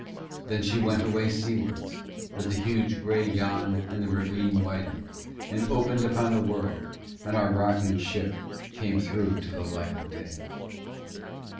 Then she went away seawards with the huge grey Yann and the ravine widened, and opened upon the world, and our rocking ship came through to the light of day.